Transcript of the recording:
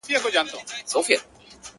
• د ښار خلک هم پر دوو برخو وېشلي -